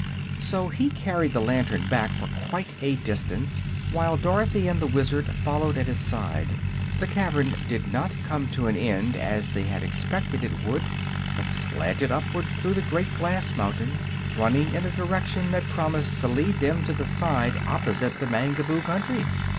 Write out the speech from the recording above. So he carried the lantern back for quite a distance, while Dorothy and the Wizard followed at his side. The cavern did not come to an end, as they had expected it would, but slanted upward through the great glass mountain, running in a direction that promised to lead them to the side opposite the Mangaboo country.